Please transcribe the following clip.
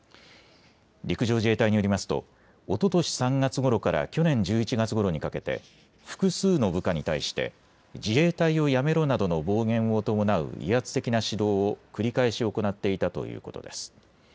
陸上自衛隊によりますとおととし３月ごろから去年１１月ごろにかけて複数の部下に対して自衛隊を辞めろなどの暴言を伴う威圧的な指導を繰り返し行っていたということです。